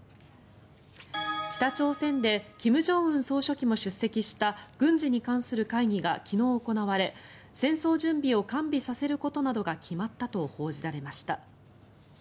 北朝鮮で金正恩総書記も出席した軍事に関する会議が昨日行われ戦争準備を完備させることなどが決まったと報じられました。